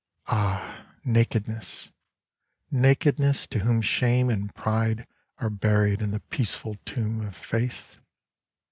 Ah, Nakedness ! Nakedness — ^to whom Shame and Pride are buried in the peaceful tomb of Faith